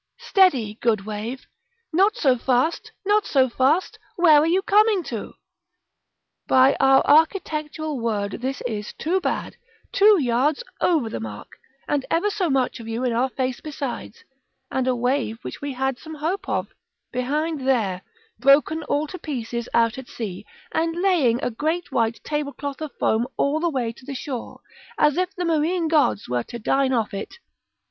Steady, good wave; not so fast; not so fast; where are you coming to? By our architectural word, this is too bad; two yards over the mark, and ever so much of you in our face besides; and a wave which we had some hope of, behind there, broken all to pieces out at sea, and laying a great white table cloth of foam all the way to the shore, as if the marine gods were to dine off it!